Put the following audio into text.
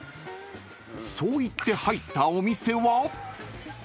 ［そう言って入ったお店は］